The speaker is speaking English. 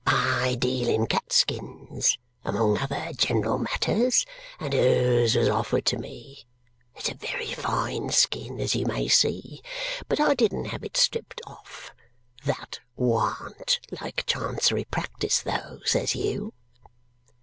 "I deal in cat skins among other general matters, and hers was offered to me. It's a very fine skin, as you may see, but I didn't have it stripped off! THAT warn't like Chancery practice though, says you!"